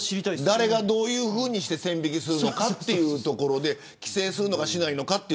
誰がどう線引きするのかというところで規制するのかしないのか。